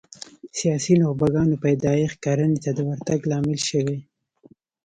سیاسي نخبګانو پیدایښت کرنې ته د ورتګ لامل شوي